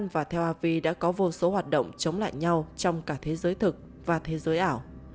và tel avi đã có vô số hoạt động chống lại nhau trong cả thế giới thực và thế giới ảo